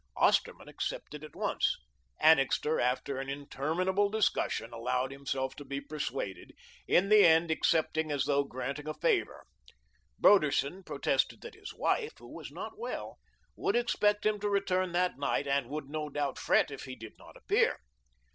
Osterman accepted at once, Annixter, after an interminable discussion, allowed himself to be persuaded, in the end accepting as though granting a favour. Broderson protested that his wife, who was not well, would expect him to return that night and would, no doubt, fret if he did not appear.